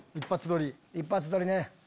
一発撮りね！